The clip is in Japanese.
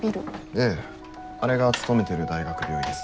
ええあれが勤めてる大学病院です。